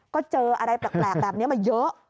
ก็เจออะไรแปลกแบบนี้มาเยอะ